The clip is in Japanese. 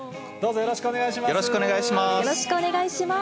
よろしくお願いします。